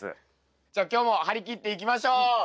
じゃ今日も張り切っていきましょう。